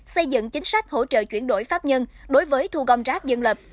xây dựng chính sách hỗ trợ chuyển đổi pháp nhân đối với thu gom rác dân lập